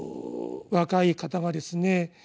若い方がですね